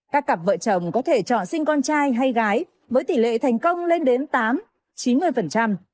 các cặp vợ chồng có thể chọn sinh con trai hay gái với tỷ lệ thành công lên đến tám mươi